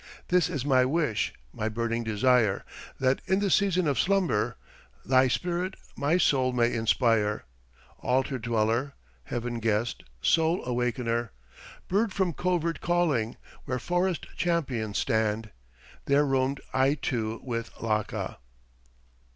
"This is my wish, my burning desire, That in the season of slumber, Thy spirit my soul may inspire, Altar dweller, Heaven guest, Soul awakener, Bird from covert calling, Where forest champions stand, There roamed I too with Laka."